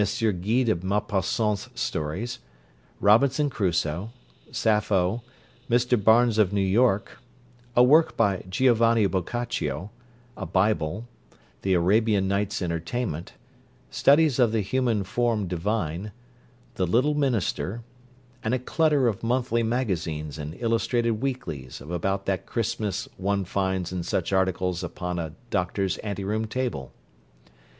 Guy de Maupassant's stories, "Robinson Crusoe," "Sappho," "Mr. Barnes of New York," a work by Giovanni Boccaccio, a Bible, "The Arabian Nights' Entertainment," "Studies of the Human Form Divine," "The Little Minister," and a clutter of monthly magazines and illustrated weeklies of about that crispness one finds in such articles upon a doctor's ante room table.